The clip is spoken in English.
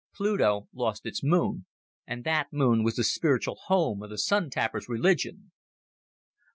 Pluto lost its moon. And that moon was the spiritual home of the Sun tappers' religion."